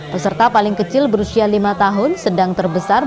peserta paling kecilnya adalah anak anak yang berumur lima belas tahun